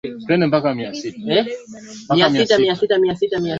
Hata ukipenda kweli, huwezi jua sababu, ni siri ya moyo wako.